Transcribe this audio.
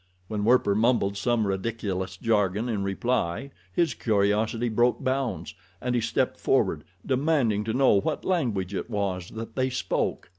When Werper mumbled some ridiculous jargon in reply his curiosity broke bounds, and he stepped forward, demanding to know what language it was that they spoke.